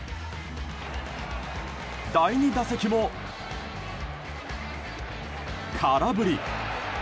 第２打席も空振り。